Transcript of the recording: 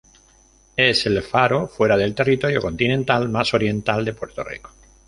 Es el faro fuera del territorio continental más oriental de Puerto Rico.